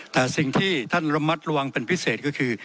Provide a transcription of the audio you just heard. แต่สิ่งที่ท่านระมัดระวังเป็นพิเศษก็คือ